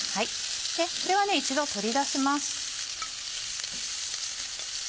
これを一度取り出します。